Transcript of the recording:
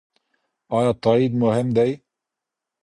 ايا تاييد مهم دی؟